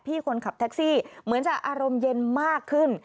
คนขับแท็กซี่เหมือนจะอารมณ์เย็นมากขึ้น